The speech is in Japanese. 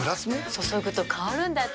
注ぐと香るんだって。